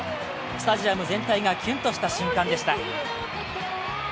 スタジアム全体がキュンとした瞬間でした。